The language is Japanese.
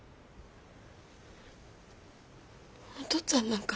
お父っつぁんなんか。